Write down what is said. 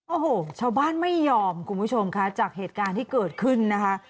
โอ้โหชาวบ้านไม่ยอมคุณผู้ชมค่ะจากเหตุการณ์ที่เกิดขึ้นนะคะ